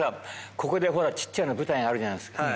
ここでちっちゃな舞台あるじゃないっすか。